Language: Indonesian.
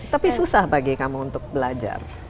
tapi susah bagi kamu untuk belajar